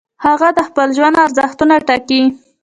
هغه د خپل ژوند ارزښتونه ټاکي.